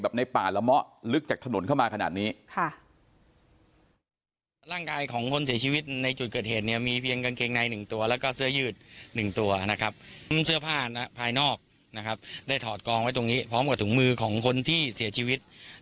ในป่าละเมาะลึกจากถนนเข้ามาขนาดนี้